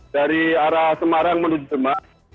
dari arah semarang menuju demak